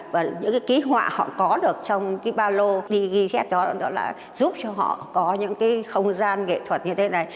và những ký họa họ có được trong ba lô đi ghi xét đó là giúp cho họ có những không gian nghệ thuật như thế này